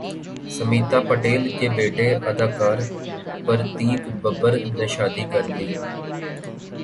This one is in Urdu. سمیتا پاٹیل کے بیٹے اداکار پرتیک ببر نے شادی کرلی